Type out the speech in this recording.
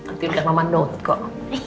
nanti udah mama nol kok